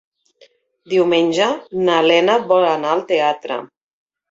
Diumenge na Lena vol anar al teatre.